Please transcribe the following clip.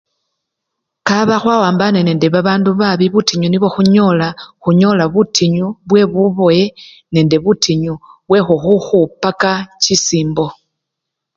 Kaba khwawambane nende babandu babii, butinyu nibwo khunyola, khunyola butinyu bwebubowe nende butinyu bwekhukhupaka chisimbo.